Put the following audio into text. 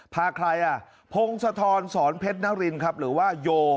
พาใครอ่ะพงศธรสอนเพชรนรินครับหรือว่าโย